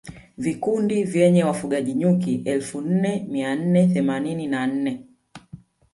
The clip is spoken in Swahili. Vikundi vyenye wafugaji nyuki elfu nne mia nne themanini na nne